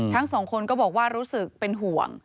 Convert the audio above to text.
ทั้งสองคนก็บอกว่ารู้สึกเป็นห่วง